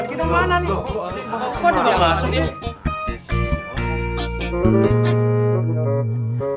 bukan di dunia langsung